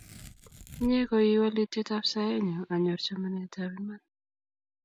Inye koi walutyet ap saenyun anyor chamanetap iman